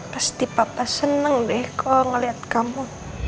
pasti papa senang deh kalau ngeliat kamu